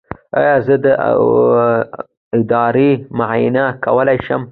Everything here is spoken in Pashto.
ایا زه د ادرار معاینه کولی شم؟